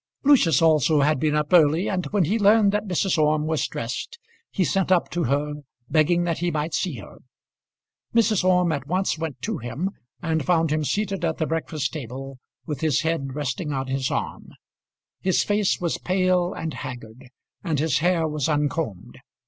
Lucius also had been up early, and when he learned that Mrs. Orme was dressed, he sent up to her begging that he might see her. Mrs. Orme at once went to him, and found him seated at the breakfast table with his head resting on his arm. His face was pale and haggard, and his hair was uncombed.